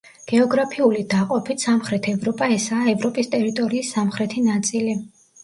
გეოგრაფიული დაყოფით, სამხრეთ ევროპა ესაა, ევროპის ტერიტორიის სამხრეთი ნაწილი.